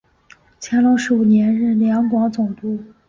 乾隆十五年任两广总督。